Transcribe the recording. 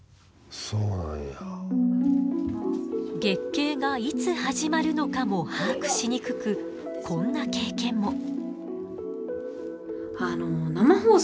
月経がいつ始まるのかも把握しにくくこんな経験も。